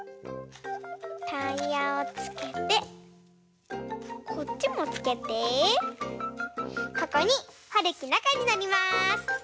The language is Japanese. タイヤをつけてこっちもつけてここにはるきなかにのります！